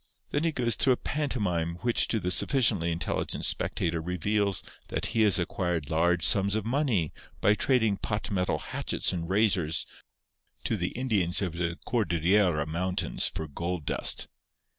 Then he goes through a pantomime which to the sufficiently intelligent spectator reveals that he has acquired large sums of money by trading pot metal hatchets and razors to the Indians of the Cordillera Mountains for gold dust.